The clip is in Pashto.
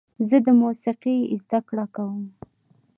زه د موسیقۍ زده کړه کوم.